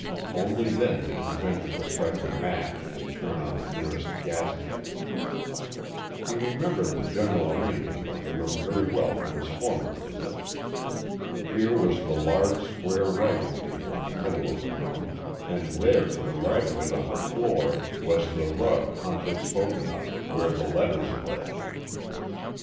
Only then did he venture to strike a match and to turn on the nearest gas jet. He remembered the general arrangement of the room very well from his former visit. Here was the large square writing table in the middle of the room, and there, to the right of it on the floor, was the rug Hunt had spoken of, where the letters lay.